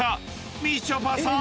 ［みちょぱさーん